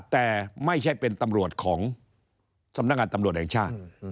แต่ไม่ใช่เป็นตำรวจของสำนักงานตำรวจแห่งชาติ